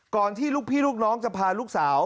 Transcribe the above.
ที่ลูกพี่ลูกน้องจะพาลูกสาว